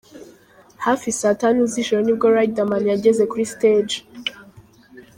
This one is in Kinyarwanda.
Hafi Saa Tanu z'ijoro ni bwo Riderman yageze kuri stage.